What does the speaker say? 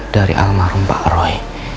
dari almarhum pak roy